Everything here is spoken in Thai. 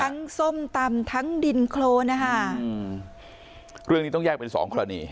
ส้มตำทั้งดินโครนนะคะอืมเรื่องนี้ต้องแยกเป็นสองกรณี